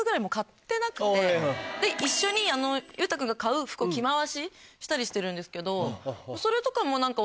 一緒に雄太君が買う服を着回ししたりしてるんですけどそれとかも何か。